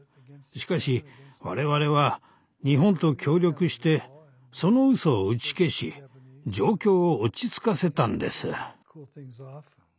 しかし我々は日本と協力してそのうそを打ち消し状況を落ち着かせたんです。